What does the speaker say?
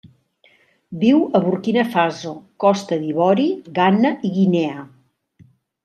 Viu a Burkina Faso, Costa d'Ivori, Ghana i Guinea.